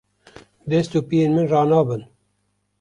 Dest û piyên min ranabin.